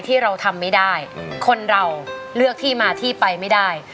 ที่เราทำไม่ได้คนเราเลือกที่มาที่ไปไม่ได้